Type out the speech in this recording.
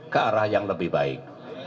ke arah yang lebih baik